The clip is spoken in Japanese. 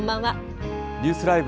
ニュースＬＩＶＥ！